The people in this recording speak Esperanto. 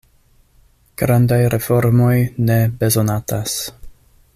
Grandaj reformoj ne bezonatas.